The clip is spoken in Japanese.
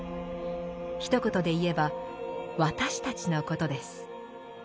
ひと言で言えば「私たち」のことです。